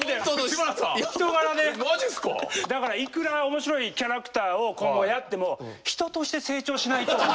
だからいくら面白いキャラクターを今後やっても人として成長しないと。